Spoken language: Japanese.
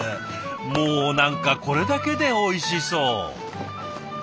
もう何かこれだけでおいしそう！